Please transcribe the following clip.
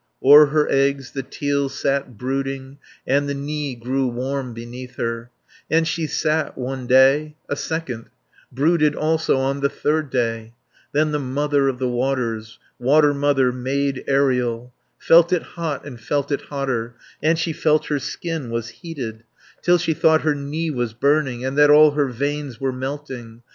O'er her eggs the teal sat brooding, And the knee grew warm beneath her; And she sat one day, a second, Brooded also on the third day; Then the Mother of the Waters, Water Mother, maid aerial, Felt it hot, and felt it hotter, And she felt her skin was heated, 220 Till she thought her knee was burning, And that all her veins were melting.